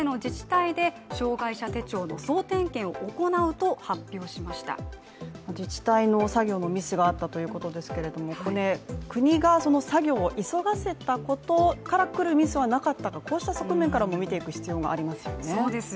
そのミスの１つについて河野大臣は自治体の作業のミスがあったということですけれども国が作業を急がせたことから来るミスはなかったか、こうした側面からも見ていく必要がありますよね。